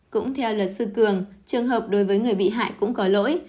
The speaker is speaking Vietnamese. cũng theo luật sư cường trường hợp đối với người bị hại cũng có lỗi